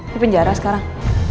di penjara sekarang